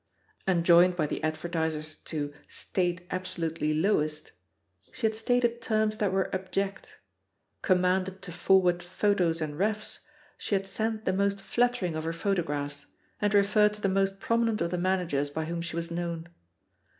Enjoined by the advertisers to "State absolutely lowest," she had stated terms that were abject; commanded to forward "photos and refs," she had sent the most flattering of her photographs, and referred to the most prominent of the managers by whom she was known.